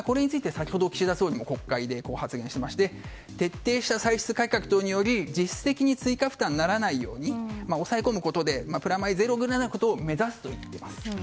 先ほど岸田総理は国会で発言しまして徹底した歳出改革等により実質的に追加負担にならないように抑え込むことでプラマイゼロというのを目指しています。